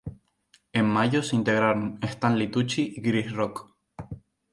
En mayo se integraron Stanley Tucci y Chris Rock.